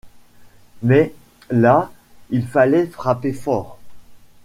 mais là il fallait frapper fort.